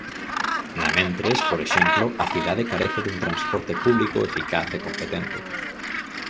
Namentres, por exemplo, a cidade carece dun transporte público eficaz e competente.